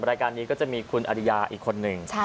รายการนี้ก็จะมีคุณอริยาอีกคนหนึ่ง